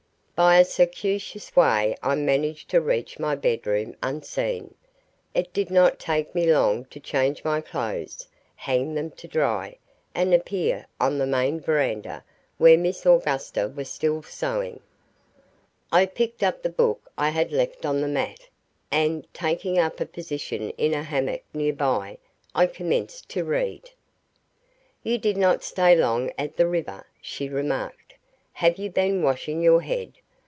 By a circuitous way I managed to reach my bedroom unseen. It did not take me long to change my clothes, hang them to dry, and appear on the main veranda where Miss Augusta was still sewing. I picked up the book I had left on the mat, and, taking up a position in a hammock near her, I commenced to read. "You did not stay long at the river," she remarked. "Have you been washing your head?